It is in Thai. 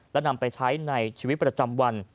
และนำไปใช้ในชีวิตประจำวัน